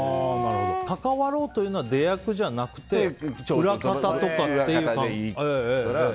関わろうというのは出役じゃなくて裏方でいいから。